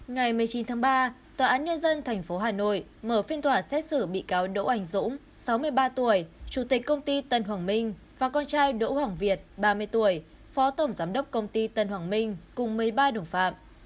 ngày một mươi chín tháng ba tòa án nhân dân tp hà nội mở phiên tòa xét xử bị cáo đỗ ảnh dũng sáu mươi ba tuổi chủ tịch công ty tân hoàng minh và con trai đỗ hoàng việt ba mươi tuổi phó tổng giám đốc công ty tân hoàng minh cùng một mươi ba đồng phạm